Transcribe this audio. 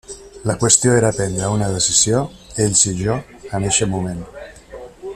La qüestió era prendre una decisió, ells i jo en eixe moment.